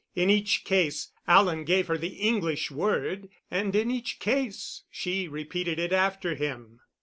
In each case Alan gave her the English word; and in each case she repeated it after him.